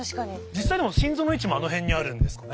実際でも心臓の位置もあの辺にあるんですかね。